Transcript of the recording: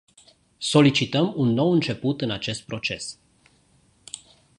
Solicităm un nou început în acest proces.